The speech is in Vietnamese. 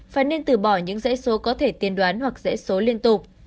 và nên từ bỏ những dãy số có thể tiên đoán hoặc dãy số liên tục